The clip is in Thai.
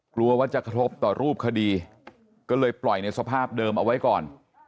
กลัวว่าจะกระทบต่อรูปคดีก็เลยปล่อยในสภาพเดิมเอาไว้ก่อน